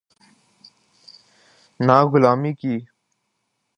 نہ غلامی کی۔